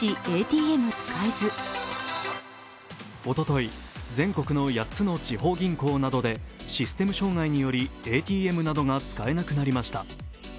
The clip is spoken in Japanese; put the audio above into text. おととい、全国の８つの地方銀行などでシステム障害によりＡＴＭが使えなくなりました。